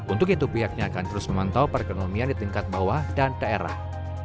untuk itu pihaknya akan terus memantau perekonomian di tingkat bawah dan daerah